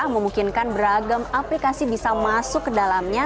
memungkinkan beragam aplikasi bisa masuk ke dalamnya